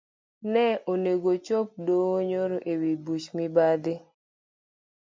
Ne onego ochop edoho nyoro ewi buch mibadhino.